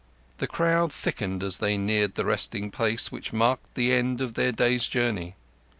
The crowd thickened as they neared the resting place which marked the end of their day's journey.